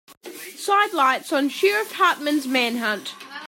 Sidelights on Sheriff Hartman's manhunt.